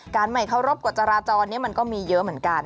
การใหม่เคราะห์รบกว่าจาราจรนี่มันก็มีเยอะเหมือนกัน